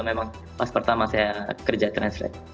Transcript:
memang pas pertama saya kerja translate